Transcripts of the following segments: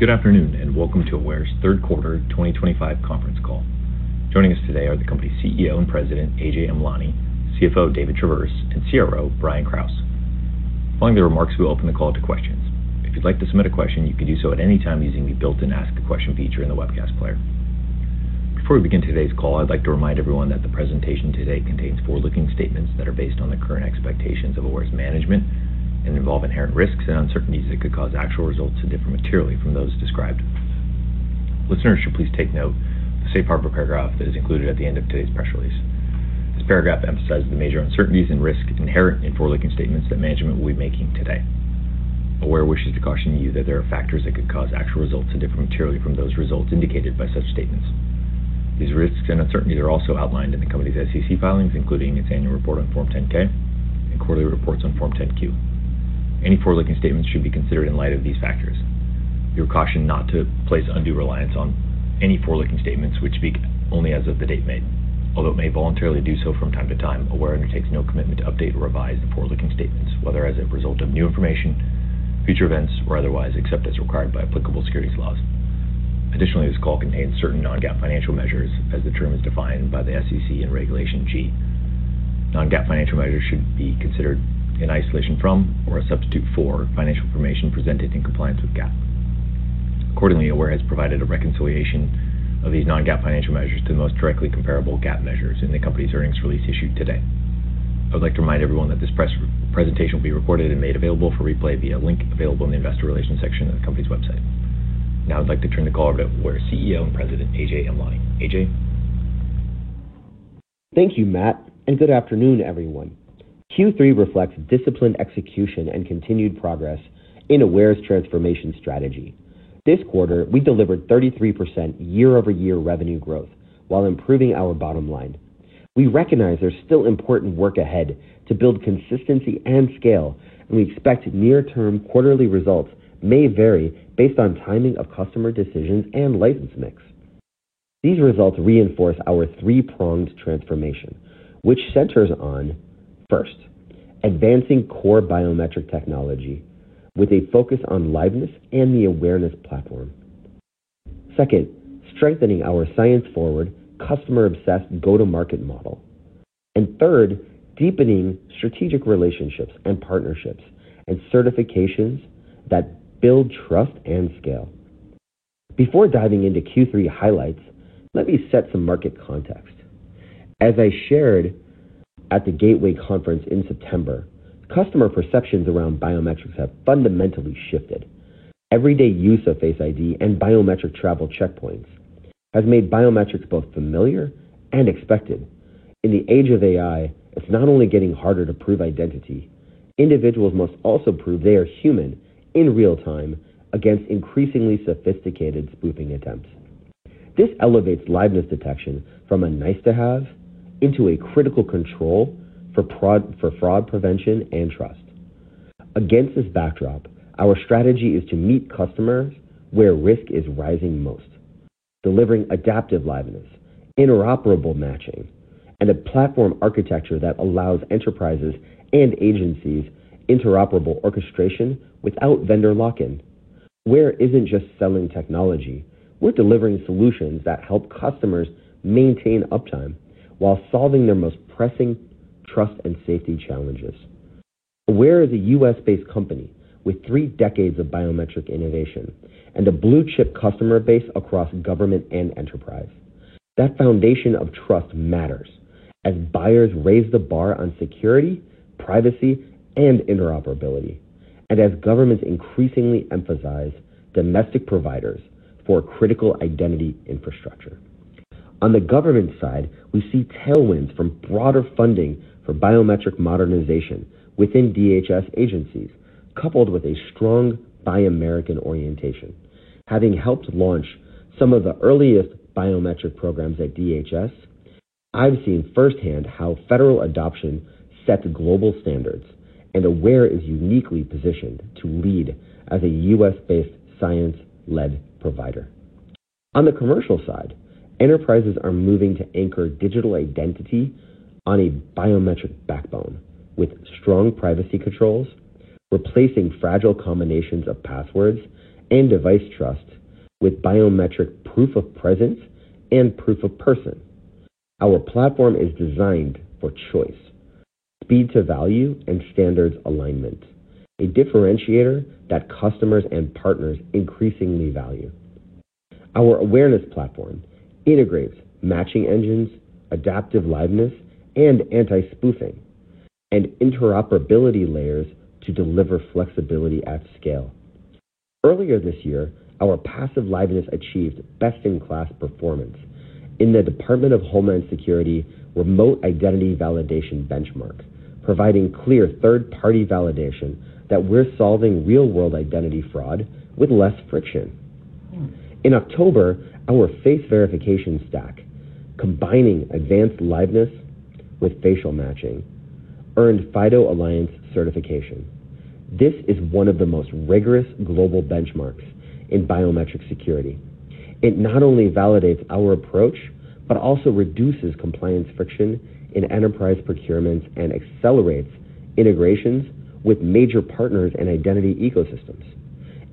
Good afternoon and welcome to Aware's third quarter 2025 conference call. Joining us today are the company CEO and President Ajay Amlani, CFO David Traverse, and CRO Brian Krause. Following the remarks, we'll open the call to questions. If you'd like to submit a question, you can do so at any time using the built-in ask a question feature in the webcast player. Before we begin today's call, I'd like to remind everyone that the presentation today contains forward-looking statements that are based on the current expectations of Aware's management and involve inherent risks and uncertainties that could cause actual results to differ materially from those described. Listeners should please take note of the safe harbor paragraph that is included at the end of today's press release. This paragraph emphasizes the major uncertainties and risks inherent in forward-looking statements that management will be making today. Aware wishes to caution you that there are factors that could cause actual results to differ materially from those results indicated by such statements. These risks and uncertainties are also outlined in the company's SEC filings, including its annual report on Form 10-K and quarterly reports on Form 10-Q. Any forward-looking statements should be considered in light of these factors. We are cautioned not to place undue reliance on any forward-looking statements which speak only as of the date made. Although it may voluntarily do so from time to time, Aware undertakes no commitment to update or revise the forward-looking statements, whether as a result of new information, future events, or otherwise, except as required by applicable securities laws. Additionally, this call contains certain non-GAAP financial measures, as the term is defined by the SEC in Regulation G. Non-GAAP financial measures should be considered in isolation from or a substitute for financial information presented in compliance with GAAP. Accordingly, Aware has provided a reconciliation of these non-GAAP financial measures to the most directly comparable GAAP measures in the company's earnings release issued today. I would like to remind everyone that this presentation will be recorded and made available for replay via link available in the investor relations section of the company's website. Now I'd like to turn the call over to Aware CEO and President Ajay K. Amlani. Ajay. Thank you, Matt, and good afternoon, everyone. Q3 reflects disciplined execution and continued progress in Aware's transformation strategy. This quarter, we delivered 33% year-over-year revenue growth while improving our bottom line. We recognize there's still important work ahead to build consistency and scale, and we expect near-term quarterly results may vary based on timing of customer decisions and license mix. These results reinforce our three-pronged transformation, which centers on, first, advancing core biometric technology with a focus on liveness and the Awareness Platform. Second, strengthening our science-forward, customer-obsessed go-to-market model. Third, deepening strategic relationships and partnerships and certifications that build trust and scale. Before diving into Q3 highlights, let me set some market context. As I shared at the Gateway Conference in September, customer perceptions around biometrics have fundamentally shifted. Everyday use of Face ID and biometric travel checkpoints has made biometrics both familiar and expected. In the age of AI, it's not only getting harder to prove identity; individuals must also prove they are human in real time against increasingly sophisticated spoofing attempts. This elevates liveness detection from a nice-to-have into a critical control for fraud prevention and trust. Against this backdrop, our strategy is to meet customers where risk is rising most, delivering adaptive liveness, interoperable matching, and a platform architecture that allows enterprises and agencies interoperable orchestration without vendor lock-in. Aware isn't just selling technology; we're delivering solutions that help customers maintain uptime while solving their most pressing trust and safety challenges. Aware is a U.S.-based company with three decades of biometric innovation and a blue-chip customer base across government and enterprise. That foundation of trust matters as buyers raise the bar on security, privacy, and interoperability, and as governments increasingly emphasize domestic providers for critical identity infrastructure. On the government side, we see tailwinds from broader funding for biometric modernization within Department of Homeland Security agencies, coupled with a strong Buy American orientation. Having helped launch some of the earliest biometric programs at the Department of Homeland Security, I've seen firsthand how federal adoption sets global standards, and Aware is uniquely positioned to lead as a U.S.-based science-led provider. On the commercial side, enterprises are moving to anchor digital identity on a biometric backbone with strong privacy controls, replacing fragile combinations of passwords and device trust with biometric proof of presence and proof of person. Our platform is designed for choice, speed to value, and standards alignment, a differentiator that customers and partners increasingly value. Our Awareness Platform integrates matching engines, adaptive liveness detection, anti-spoofing, and interoperability layers to deliver flexibility at scale. Earlier this year, our passive liveness achieved best-in-class performance in the Department of Homeland Security remote identity validation benchmark, providing clear third-party validation that we're solving real-world identity fraud with less friction. In October, our face verification stack, combining advanced liveness with facial matching, earned FIDO Alliance certification. This is one of the most rigorous global benchmarks in biometric security. It not only validates our approach but also reduces compliance friction in enterprise procurements and accelerates integrations with major partners and identity ecosystems.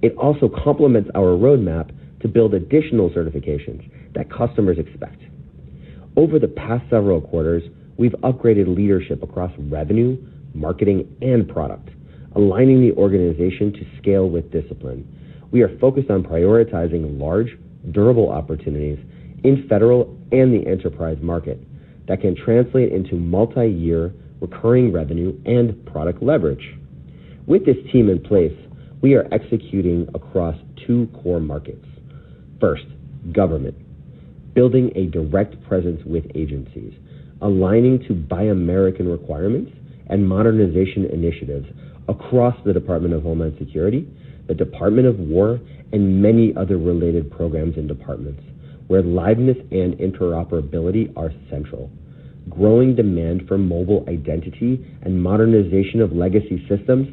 It also complements our roadmap to build additional certifications that customers expect. Over the past several quarters, we've upgraded leadership across revenue, marketing, and product, aligning the organization to scale with discipline. We are focused on prioritizing large, durable opportunities in federal and the enterprise market that can translate into multi-year recurring revenue and product leverage. With this team in place, we are executing across two core markets. First, government, building a direct presence with agencies, aligning to Buy American requirements and modernization initiatives across the Department of Homeland Security, the Department of War, and many other related programs and departments where liveness and interoperability are central. Growing demand for mobile identity and modernization of legacy systems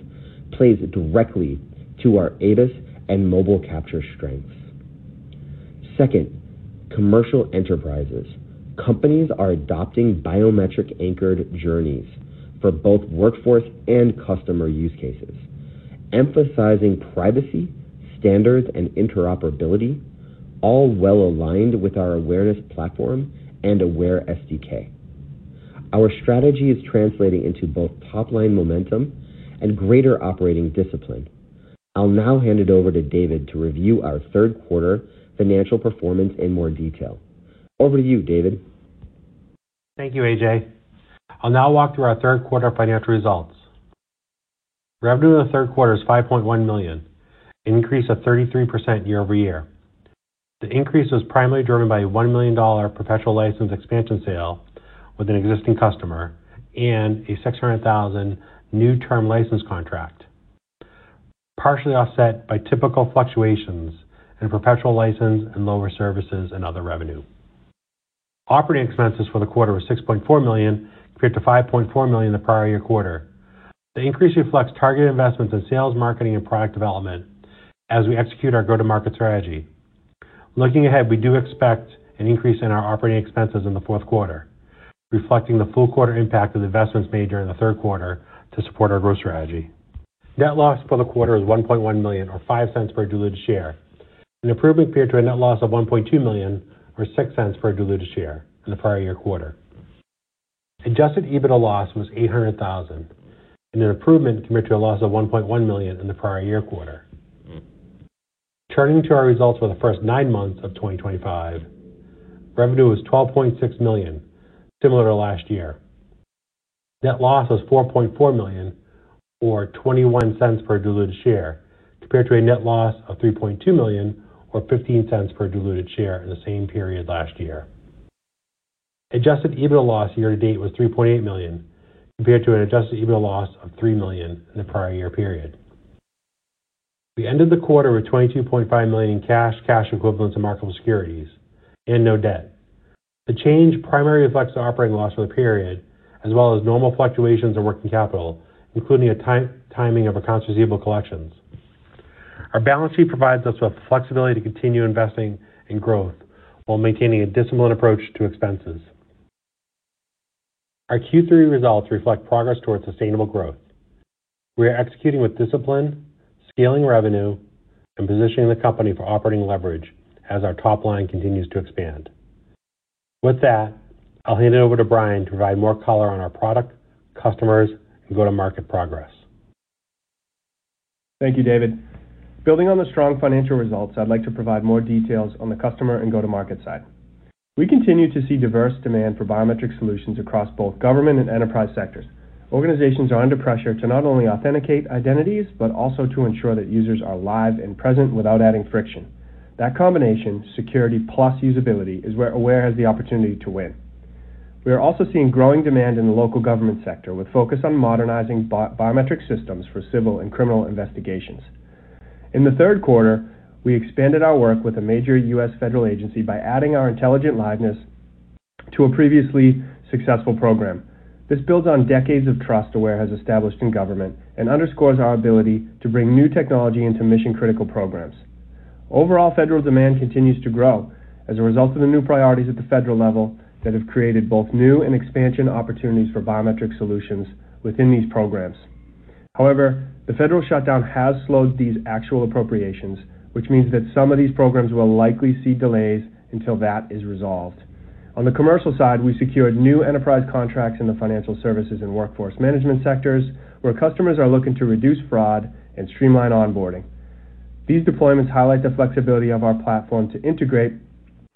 plays directly to our AVIS and mobile capture strengths. Second, commercial enterprises. Companies are adopting biometric-anchored journeys for both workforce and customer use cases, emphasizing privacy, standards, and interoperability, all well aligned with our Awareness Platform and Aware SDK. Our strategy is translating into both top-line momentum and greater operating discipline. I'll now hand it over to David to review our third quarter financial performance in more detail. Over to you, David. Thank you, Ajay. I'll now walk through our third quarter financial results. Revenue in the third quarter is $5.1 million, an increase of 33% year-over-year. The increase was primarily driven by a $1 million perpetual license expansion sale with an existing customer and a $600,000 new term license contract, partially offset by typical fluctuations in perpetual license and lower services and other revenue. Operating expenses for the quarter were $6.4 million compared to $5.4 million in the prior year quarter. The increase reflects targeted investments in sales, marketing, and product development as we execute our go-to-market strategy. Looking ahead, we do expect an increase in our operating expenses in the fourth quarter, reflecting the full quarter impact of the investments made during the third quarter to support our growth strategy. Net loss for the quarter is $1.1 million or $0.05 per diluted share, an improvement compared to a net loss of $1.2 million or $0.06 per diluted share in the prior year quarter. Adjusted EBITDA loss was $800,000, an improvement compared to a loss of $1.1 million in the prior year quarter. Turning to our results for the first nine months of 2025, revenue was $12.6 million, similar to last year. Net loss was $4.4 million or $0.21 per diluted share compared to a net loss of $3.2 million or $0.15 per diluted share in the same period last year. Adjusted EBITDA loss year to date was $3.8 million compared to an adjusted EBITDA loss of $3 million in the prior year period. We ended the quarter with $22.5 million in cash, cash equivalents, and marketable securities, and no debt. The change primarily reflects our operating loss for the period, as well as normal fluctuations in working capital, including a timing of accounts receivable collections. Our balance sheet provides us with flexibility to continue investing in growth while maintaining a disciplined approach to expenses. Our Q3 results reflect progress towards sustainable growth. We are executing with discipline, scaling revenue, and positioning the company for operating leverage as our top line continues to expand. With that, I'll hand it over to Brian to provide more color on our product, customers, and go-to-market progress. Thank you, David. Building on the strong financial results, I'd like to provide more details on the customer and go-to-market side. We continue to see diverse demand for biometric solutions across both government and enterprise sectors. Organizations are under pressure to not only authenticate identities but also to ensure that users are live and present without adding friction. That combination, security plus usability, is where Aware has the opportunity to win. We are also seeing growing demand in the local government sector with focus on modernizing biometric systems for civil and criminal investigations. In the third quarter, we expanded our work with a major U.S. federal agency by adding our intelligent liveness to a previously successful program. This builds on decades of trust Aware has established in government and underscores our ability to bring new technology into mission-critical programs. Overall, federal demand continues to grow as a result of the new priorities at the federal level that have created both new and expansion opportunities for biometric solutions within these programs. However, the federal shutdown has slowed these actual appropriations, which means that some of these programs will likely see delays until that is resolved. On the commercial side, we secured new enterprise contracts in the financial services and workforce management sectors where customers are looking to reduce fraud and streamline onboarding. These deployments highlight the flexibility of our platform to integrate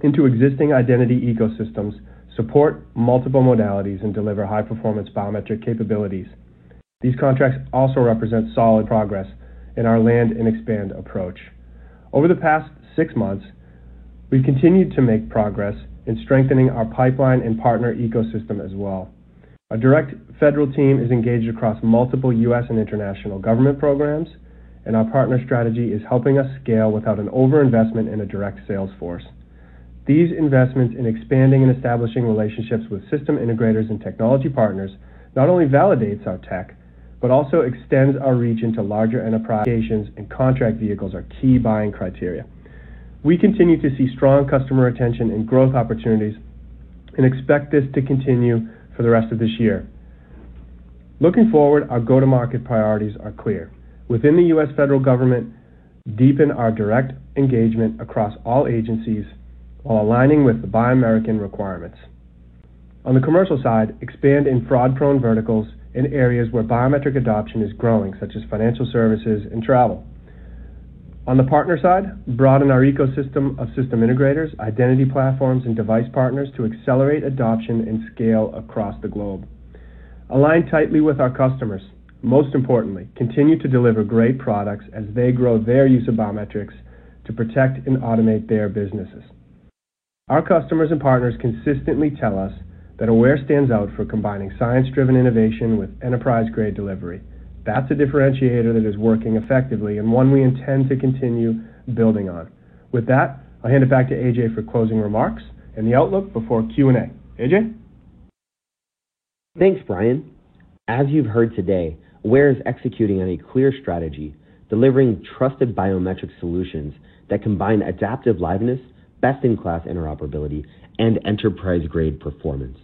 into existing identity ecosystems, support multiple modalities, and deliver high-performance biometric capabilities. These contracts also represent solid progress in our land and expand approach. Over the past six months, we've continued to make progress in strengthening our pipeline and partner ecosystem as well. Our direct federal team is engaged across multiple U.S. and international government programs, and our partner strategy is helping us scale without an overinvestment in a direct sales force. These investments in expanding and establishing relationships with system integrators and technology partners not only validate our tech but also extend our reach into larger enterprises. Locations and contract vehicles are key buying criteria. We continue to see strong customer retention and growth opportunities and expect this to continue for the rest of this year. Looking forward, our go-to-market priorities are clear. Within the U.S. federal government, deepen our direct engagement across all agencies while aligning with the bi-American requirements. On the commercial side, expand in fraud-prone verticals in areas where biometric adoption is growing, such as financial services and travel. On the partner side, broaden our ecosystem of system integrators, identity platforms, and device partners to accelerate adoption and scale across the globe. Align tightly with our customers. Most importantly, continue to deliver great products as they grow their use of biometrics to protect and automate their businesses. Our customers and partners consistently tell us that Aware stands out for combining science-driven innovation with enterprise-grade delivery. That's a differentiator that is working effectively and one we intend to continue building on. With that, I'll hand it back to Ajay for closing remarks and the outlook before Q&A. Ajay? Thanks, Brian. As you've heard today, Aware is executing on a clear strategy, delivering trusted biometric solutions that combine adaptive liveness detection, best-in-class interoperability, and enterprise-grade performance.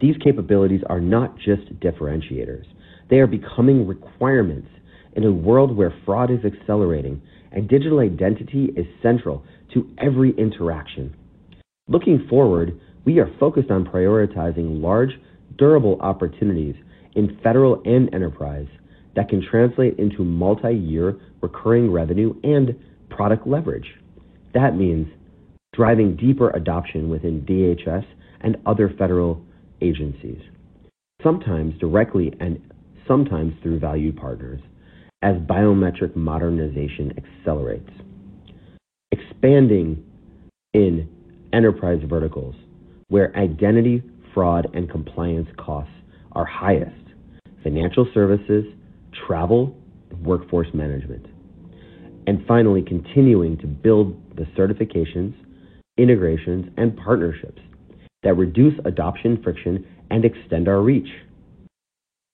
These capabilities are not just differentiators, they are becoming requirements in a world where fraud is accelerating and digital identity is central to every interaction. Looking forward, we are focused on prioritizing large, durable opportunities in federal and enterprise that can translate into multi-year recurring revenue and product leverage. That means driving deeper adoption within the Department of Homeland Security and other federal agencies, sometimes directly and sometimes through value partners as biometric modernization accelerates. Expanding in enterprise verticals where identity, fraud, and compliance costs are highest: financial services, travel, and workforce management. Finally, continuing to build the certifications, integrations, and partnerships that reduce adoption friction and extend our reach.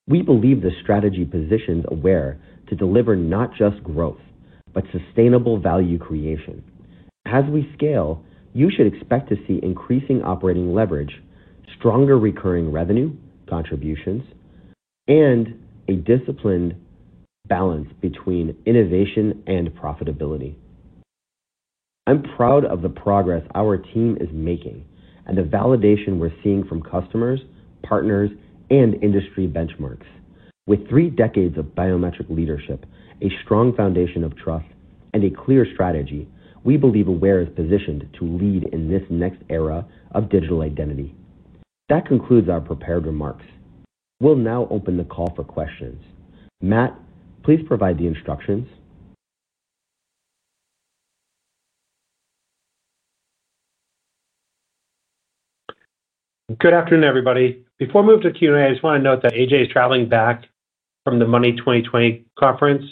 We believe this strategy positions Aware to deliver not just growth but sustainable value creation. As we scale, you should expect to see increasing operating leverage, stronger recurring revenue contributions, and a disciplined balance between innovation and profitability. I'm proud of the progress our team is making and the validation we're seeing from customers, partners, and industry benchmarks. With three decades of biometric leadership, a strong foundation of trust, and a clear strategy, we believe Aware is positioned to lead in this next era of digital identity. That concludes our prepared remarks. We'll now open the call for questions. Matt, please provide the instructions. Good afternoon, everybody. Before we move to Q&A, I just want to note that Ajay is traveling back from the Money 2020 conference.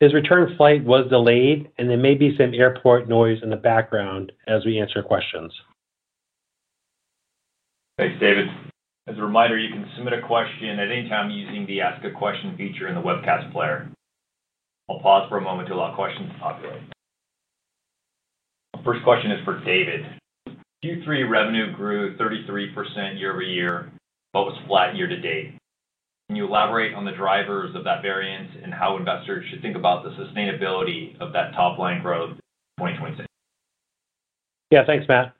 His return flight was delayed, and there may be some airport noise in the background as we answer questions. Thanks, David. As a reminder, you can submit a question at any time using the ask a question feature in the webcast player. I'll pause for a moment to allow questions to populate. Our first question is for David. Q3 revenue grew 33% year-over-year but was flat year to date. Can you elaborate on the drivers of that variance and how investors should think about the sustainability of that top-line growth in 2026? Yeah, thanks, Matt.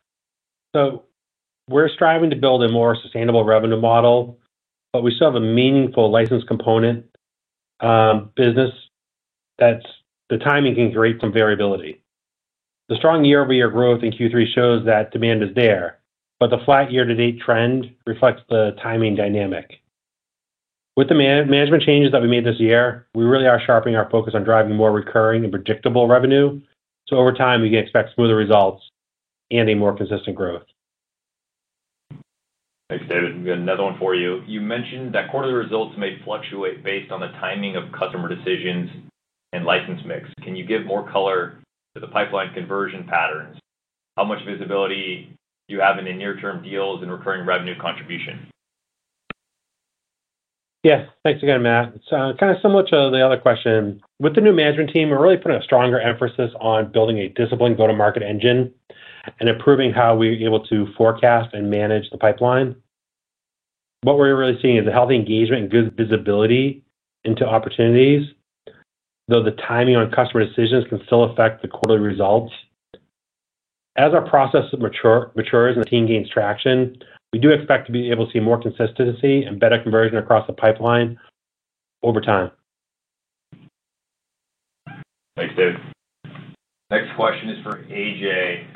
We're striving to build a more sustainable revenue model, but we still have a meaningful license component business that the timing can create some variability. The strong year-over-year growth in Q3 shows that demand is there, but the flat year-to-date trend reflects the timing dynamic. With the management changes that we made this year, we really are sharpening our focus on driving more recurring and predictable revenue. Over time, we can expect smoother results and more consistent growth. Thanks, David. We've got another one for you. You mentioned that quarterly results may fluctuate based on the timing of customer decisions and license mix. Can you give more color to the pipeline conversion patterns? How much visibility do you have in near-term deals and recurring revenue contribution? Yes, thanks again, Matt. It's kind of similar to the other question. With the new management team, we're really putting a stronger emphasis on building a disciplined go-to-market engine and improving how we're able to forecast and manage the pipeline. What we're really seeing is a healthy engagement and good visibility into opportunities, though the timing on customer decisions can still affect the quarterly results. As our process matures and the team gains traction, we do expect to be able to see more consistency and better conversion across the pipeline over time. Thanks, David. Next question is for Ajay.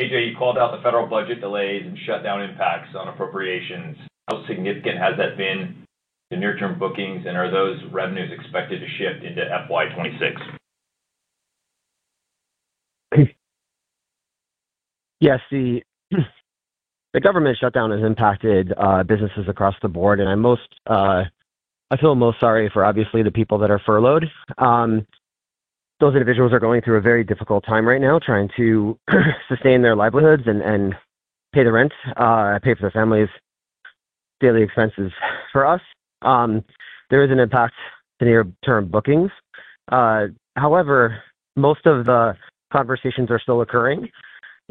Ajay, you called out the federal budget delays and shutdown impacts on appropriations. How significant has that been to near-term bookings, and are those revenues expected to shift into FY2026? Yeah, the government shutdown has impacted businesses across the board, and I feel most sorry for, obviously, the people that are furloughed. Those individuals are going through a very difficult time right now trying to sustain their livelihoods and pay the rent, pay for their families, daily expenses. For us, there is an impact to near-term bookings. However, most of the conversations are still occurring,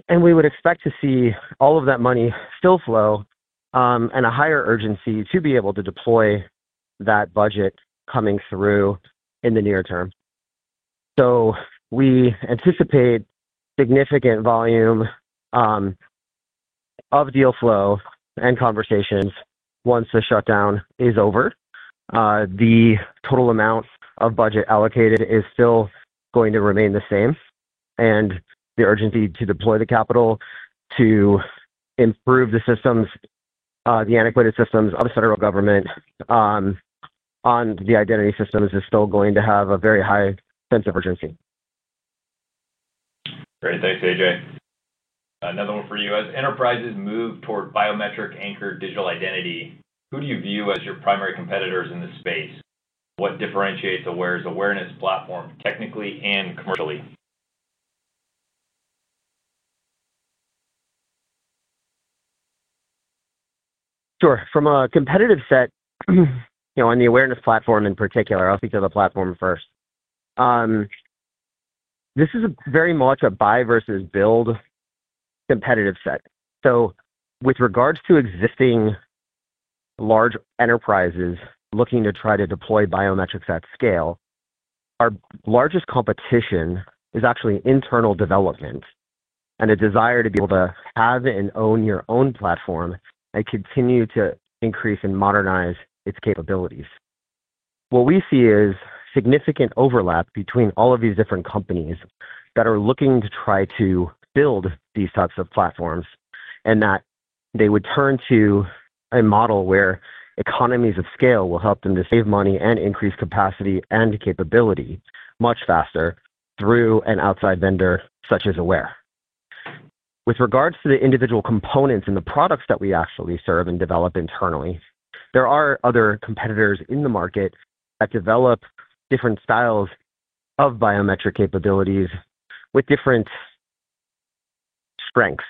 and we would expect to see all of that money still flow and a higher urgency to be able to deploy that budget coming through in the near term. We anticipate significant volume of deal flow and conversations once the shutdown is over. The total amount of budget allocated is still going to remain the same, and the urgency to deploy the capital to improve the systems, the antiquated systems of the federal government on the identity systems, is still going to have a very high sense of urgency. Great, thanks, Ajay. Another one for you. As enterprises move toward biometric-anchored digital identity, who do you view as your primary competitors in this space? What differentiates Aware's Awareness Platform technically and commercially? Sure. From a competitive set, you know, on the Awareness Platform in particular, I'll speak to the platform first. This is very much a buy versus build competitive set. With regards to existing large enterprises looking to try to deploy biometrics at scale, our largest competition is actually internal development and a desire to be able to have and own your own platform and continue to increase and modernize its capabilities. What we see is significant overlap between all of these different companies that are looking to try to build these types of platforms and that they would turn to a model where economies of scale will help them to save money and increase capacity and capability much faster through an outside vendor such as Aware. With regards to the individual components and the products that we actually serve and develop internally, there are other competitors in the market that develop different styles of biometric capabilities with different strengths.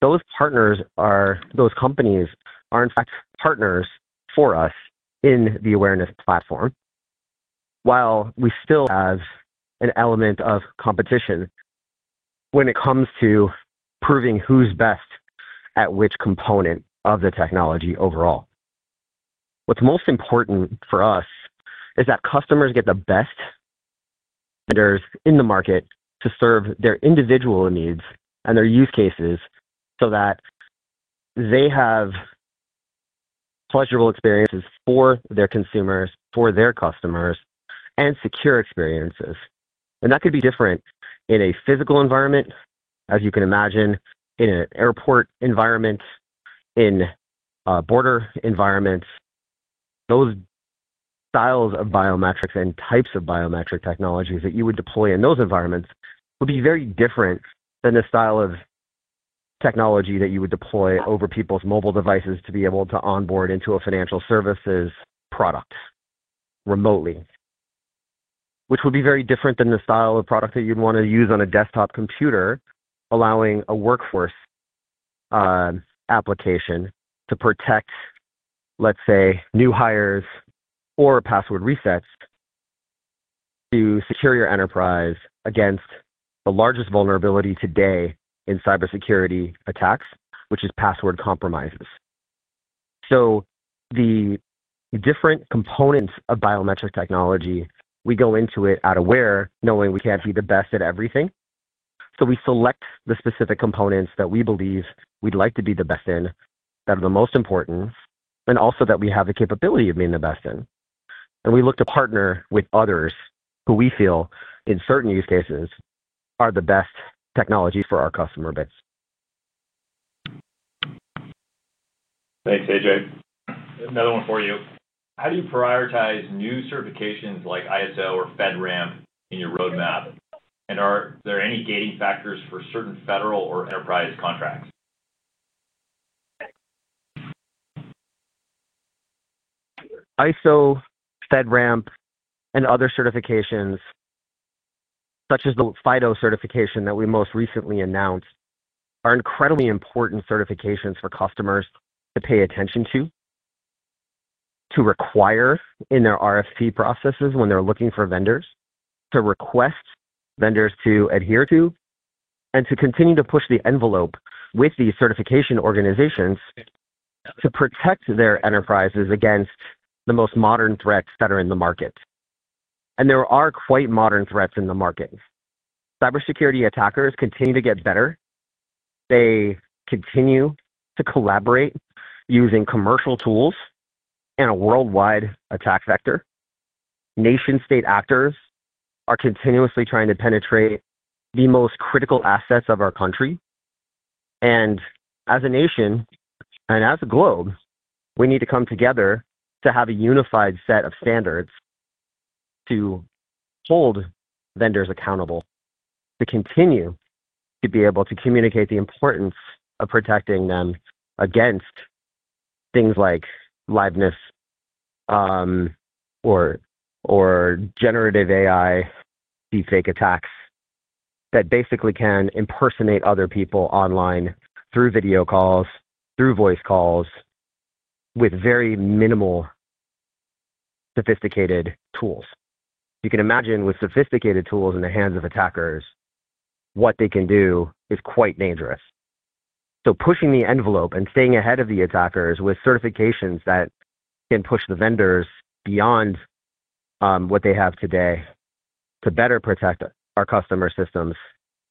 Those partners are, those companies are, in fact, partners for us in the Awareness Platform, while we still have an element of competition when it comes to proving who's best at which component of the technology overall. What's most important for us is that customers get the best vendors in the market to serve their individual needs and their use cases so that they have pleasurable experiences for their consumers, for their customers, and secure experiences. That could be different in a physical environment, as you can imagine, in an airport environment, in border environments. Those styles of biometrics and types of biometric technologies that you would deploy in those environments would be very different than the style of technology that you would deploy over people's mobile devices to be able to onboard into a financial services product remotely, which would be very different than the style of product that you'd want to use on a desktop computer, allowing a workforce application to protect, let's say, new hires or password resets to secure your enterprise against the largest vulnerability today in cybersecurity attacks, which is password compromises. The different components of biometric technology, we go into it at Aware knowing we can't be the best at everything. We select the specific components that we believe we'd like to be the best in, that are the most important, and also that we have the capability of being the best in. We look to partner with others who we feel, in certain use cases, are the best technologies for our customer base. Thanks, Ajay. Another one for you. How do you prioritize new certifications like ISO or FedRAMP in your roadmap? Are there any gating factors for certain federal or enterprise contracts? ISO, FedRAMP, and other certifications, such as the FIDO certification that we most recently announced, are incredibly important certifications for customers to pay attention to, to require in their RFP processes when they're looking for vendors, to request vendors to adhere to, and to continue to push the envelope with these certification organizations to protect their enterprises against the most modern threats that are in the market. There are quite modern threats in the market. Cybersecurity attackers continue to get better. They continue to collaborate using commercial tools and a worldwide attack vector. Nation-state actors are continuously trying to penetrate the most critical assets of our country. As a nation and as a globe, we need to come together to have a unified set of standards to hold vendors accountable, to continue to be able to communicate the importance of protecting them against things like liveness or generative AI deepfake attacks that basically can impersonate other people online through video calls, through voice calls, with very minimal sophisticated tools. You can imagine with sophisticated tools in the hands of attackers, what they can do is quite dangerous. Pushing the envelope and staying ahead of the attackers with certifications that can push the vendors beyond what they have today to better protect our customer systems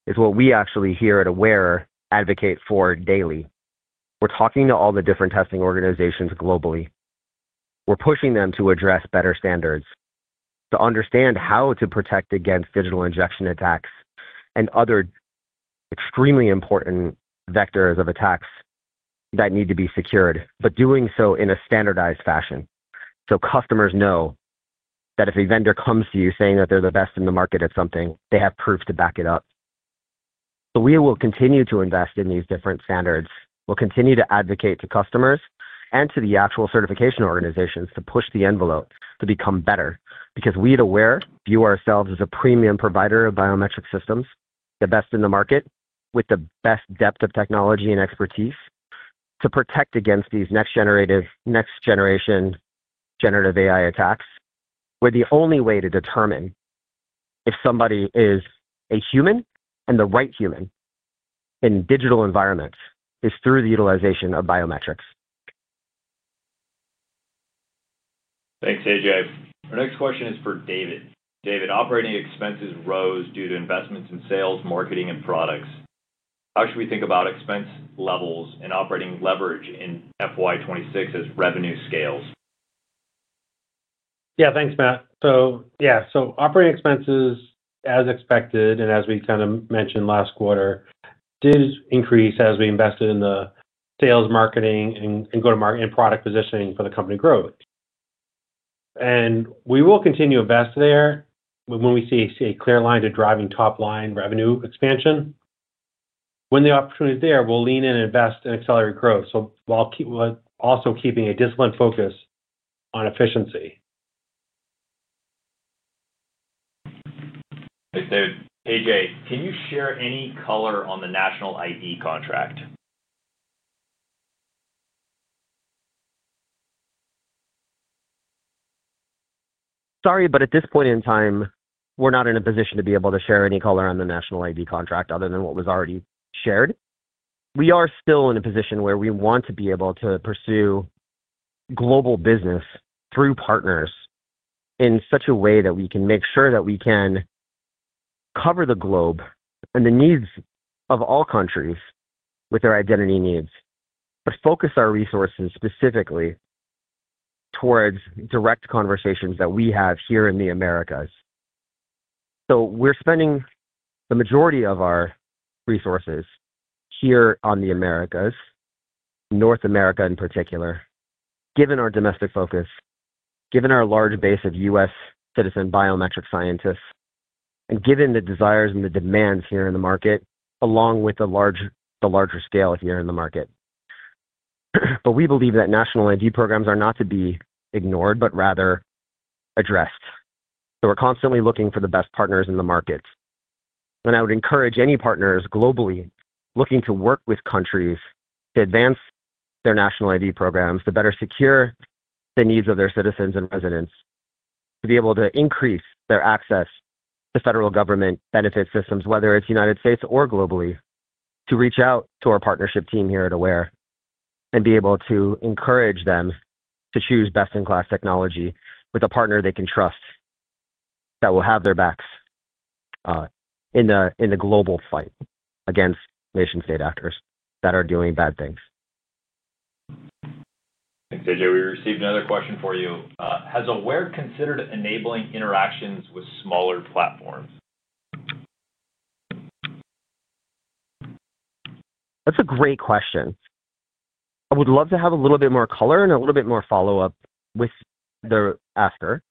is what we actually here at Aware advocate for daily. We're talking to all the different testing organizations globally. We're pushing them to address better standards, to understand how to protect against digital injection attacks and other extremely important vectors of attacks that need to be secured, but doing so in a standardized fashion so customers know that if a vendor comes to you saying that they're the best in the market at something, they have proof to back it up. We will continue to invest in these different standards. We'll continue to advocate to customers and to the actual certification organizations to push the envelope to become better because we at Aware view ourselves as a premium provider of biometric systems, the best in the market, with the best depth of technology and expertise to protect against these next-generation generative AI attacks, where the only way to determine if somebody is a human and the right human in digital environments is through the utilization of biometrics. Thanks, Ajay. Our next question is for David. David, operating expenses rose due to investments in sales, marketing, and products. How should we think about expense levels and operating leverage in FY2026 as revenue scales? Yeah, thanks, Matt. Operating expenses, as expected and as we kind of mentioned last quarter, did increase as we invested in the sales, marketing, and go-to-market and product positioning for the company growth. We will continue to invest there when we see a clear line to driving top-line revenue expansion. When the opportunity is there, we'll lean in and invest in accelerated growth, while also keeping a disciplined focus on efficiency. Thanks, David. Ajay, can you share any color on the national ID contract? Sorry, but at this point in time, we're not in a position to be able to share any color on the national ID contract other than what was already shared. We are still in a position where we want to be able to pursue global business through partners in such a way that we can make sure that we can cover the globe and the needs of all countries with their identity needs, but focus our resources specifically towards direct conversations that we have here in the Americas. We're spending the majority of our resources here on the Americas, North America in particular, given our domestic focus, given our large base of U.S. citizen biometric scientists, and given the desires and the demands here in the market, along with the larger scale here in the market. We believe that national ID programs are not to be ignored, but rather addressed. We're constantly looking for the best partners in the markets. I would encourage any partners globally looking to work with countries to advance their national ID programs to better secure the needs of their citizens and residents, to be able to increase their access to federal government benefit systems, whether it's the United States or globally, to reach out to our partnership team here at Aware and be able to encourage them to choose best-in-class technology with a partner they can trust that will have their backs in the global fight against nation-state actors that are doing bad things. Ajay, we received another question for you. Has Aware considered enabling interactions with smaller platforms? That's a great question. I would love to have a little bit more color and a little bit more follow-up with the asker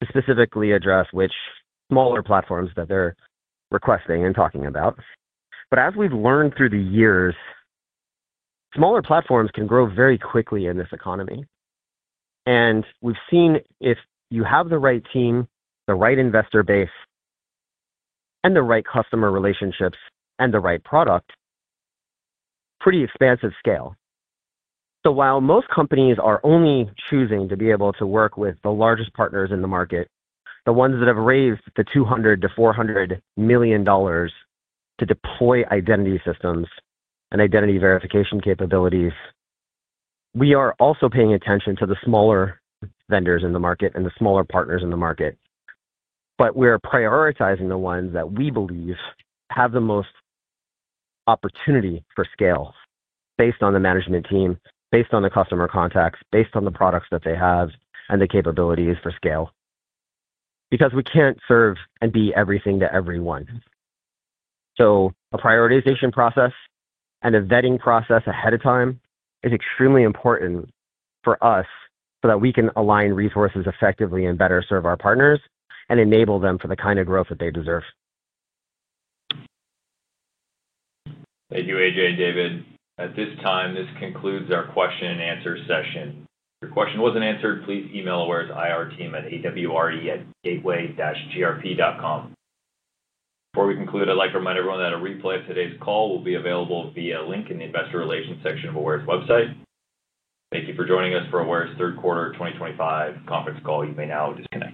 to specifically address which smaller platforms that they're requesting and talking about. As we've learned through the years, smaller platforms can grow very quickly in this economy. We've seen if you have the right team, the right investor base, the right customer relationships, and the right product, pretty expansive scale. While most companies are only choosing to be able to work with the largest partners in the market, the ones that have raised the $200 to $400 million to deploy identity systems and identity verification capabilities, we are also paying attention to the smaller vendors in the market and the smaller partners in the market. We're prioritizing the ones that we believe have the most opportunity for scale based on the management team, based on the customer contacts, based on the products that they have, and the capabilities for scale because we can't serve and be everything to everyone. A prioritization process and a vetting process ahead of time is extremely important for us so that we can align resources effectively and better serve our partners and enable them for the kind of growth that they deserve. Thank you, Ajay, David. At this time, this concludes our question and answer session. If your question wasn't answered, please email Aware's IR team at aware@gateway-grp.com. Before we conclude, I'd like to remind everyone that a replay of today's call will be available via a link in the investor relations section of Aware's website. Thank you for joining us for Aware's third quarter 2025 conference call. You may now disconnect.